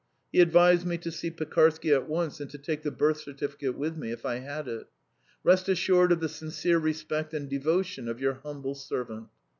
He advised me to see Pekarsky at once and to take the birth certificate with me, if I had it. "Rest assured of the sincere respect and devotion of your humble servant.